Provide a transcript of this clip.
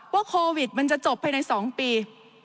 ว่าโควิดมันจะจบไปใน๒ปี